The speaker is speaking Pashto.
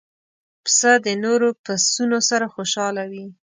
پسه د نور پسونو سره خوشاله وي.